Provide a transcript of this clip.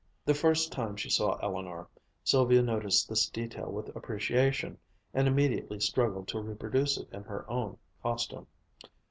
The first time she saw Eleanor, Sylvia noticed this detail with appreciation, and immediately struggled to reproduce it in her own costume.